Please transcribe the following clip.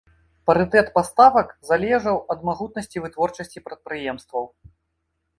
Парытэт паставак залежаў ад магутнасці вытворчасці прадпрыемстваў.